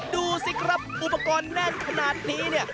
ดูสิครับอุปกรณ์แน่นขนาดนี้เนี่ย